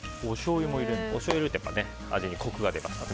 おしょうゆを入れると味にコクが出ますから。